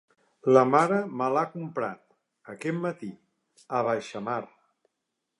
La mare me l'ha comprat, aquest matí, a baixamar.